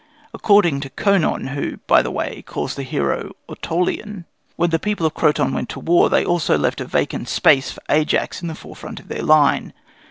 According to Conon, who, by the way, calls the hero Autoleon, when the people of Croton went to war, they also left a vacant space for Ajax in the forefront of their line.